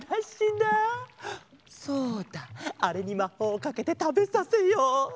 あれにまほうをかけてたべさせよう。